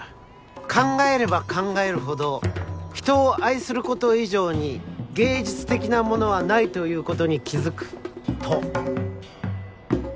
「考えれば考えるほど人を愛すること以上に芸術的なものはないということに気づく」と！